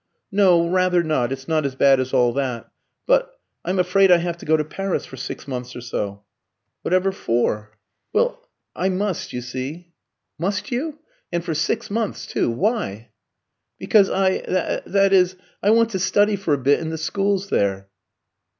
"No, rather not; it's not as bad as all that. But I'm afraid I have to go to Paris for six months or so." "Whatever for?" "Well I must, you see." "Must you? And for six months, too; why?" "Because I that is I want to study for a bit in the schools there."